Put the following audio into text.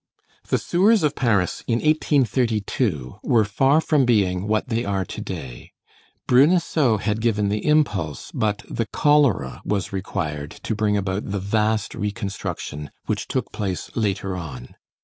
The sewers of Paris in 1832 were far from being what they are to day. Bruneseau had given the impulse, but the cholera was required to bring about the vast reconstruction which took place later on.